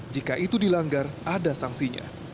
jika itu dilanggar ada sanksinya